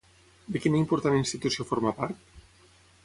De quina important institució forma part?